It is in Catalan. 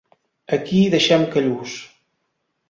Aquí deixem Callús.